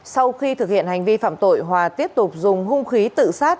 sau khi thực hiện hành vi phạm tội hòa tiếp tục dùng hung khí tự sát